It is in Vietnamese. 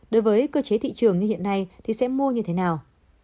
đối với cơ chế thị trường như hiện nay thì sẽ mua như thế nào